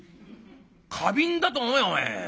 花瓶だと思えばお前。